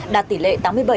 đạt tỷ lệ tám mươi bảy năm